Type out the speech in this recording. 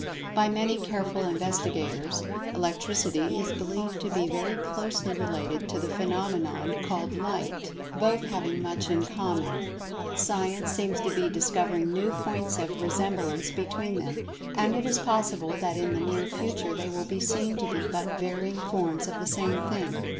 By many careful investigators, Electricity is believed to be very closely related to the phenomenon called light, both having much in common. Science seems to be discovering new points of resemblance between them, and it[Pg 126] is probable that in the near future they will be seen to be but varying forms of the same thing.